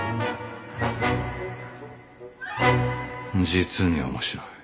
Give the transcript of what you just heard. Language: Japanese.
実に面白い。